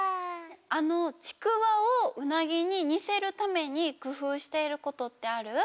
あのちくわをうなぎににせるためにくふうしていることってある？